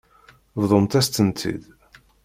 Bḍumt-as-tent-id.